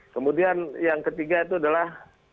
kemudian yang ketiga itu adalah